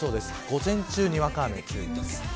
午前中にわか雨に注意です。